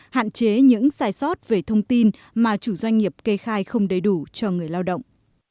hạn chế những sai sót về thông tin mà chủ doanh nghiệp kê khai không đầy đủ cho người lao động